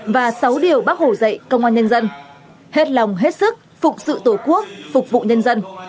và sáu điều bác hồ dạy công an nhân dân hết lòng hết sức phụng sự tổ quốc phục vụ nhân dân